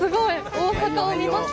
大阪を見ました。